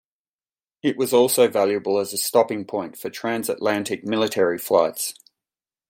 It was also valuable as a stopping point for transatlantic military flights.